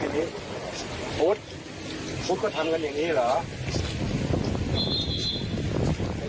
ทีนี้พุทธพุทธก็ทำกันอย่างนี้เหรอ